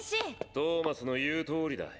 トーマスの言うとおりだ。